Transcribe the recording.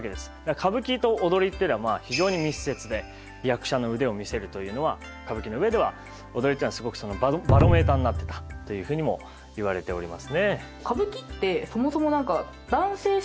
歌舞伎と踊りっていうのは非常に密接で役者の腕を見せるというのは歌舞伎の上では踊りっていうのはすごくバロメーターになってたというふうにも言われておりますね。